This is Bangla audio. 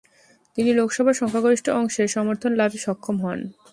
তিনি লোকসভার সংখ্যাগরিষ্ঠ অংশের সমর্থন লাভে সক্ষম হন।